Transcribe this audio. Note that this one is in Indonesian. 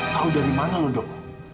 kau dari mana lu dok